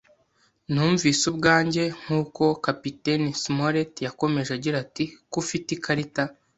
Numvise ubwanjye, ”nk'uko Kapiteni Smollett yakomeje agira ati:“ ko ufite ikarita